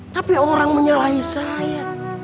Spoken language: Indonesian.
tapi orang menyalahi saya